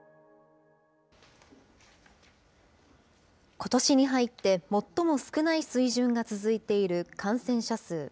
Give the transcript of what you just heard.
ことしに入って、最も少ない水準が続いている感染者数。